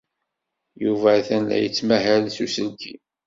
Yuba atan la yettmahal s uselkim.